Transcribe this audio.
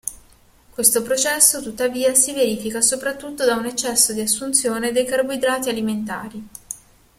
Questo processo tuttavia si verifica soprattutto da un eccesso di assunzione dei carboidrati alimentari.